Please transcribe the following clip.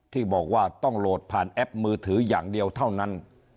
ที่บอกว่าต้องโหลดผ่านแอปมือถืออย่างเดียวเท่านั้น